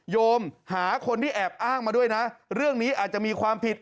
โยมหาคนที่แอบอ้างมาด้วยนะเรื่องนี้อาจจะมีความผิด